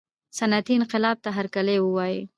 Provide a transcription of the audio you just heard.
صنعتي انقلاب ته هرکلی ووایه.